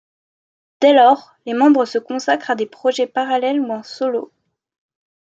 Dès lors, les membres se consacrent à des projets parallèles ou en solo.